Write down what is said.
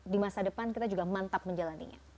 di masa depan kita juga mantap menjalannya